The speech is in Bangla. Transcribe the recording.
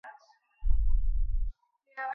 দোহাই ধর্মের, সেজন্য তোমরা তাঁকে ক্ষমা কোরো।